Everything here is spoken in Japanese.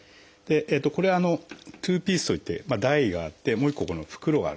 これツーピースといって台があってもう一個この袋があるんですね。